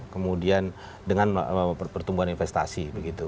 kemudian dengan pertumbuhan investasi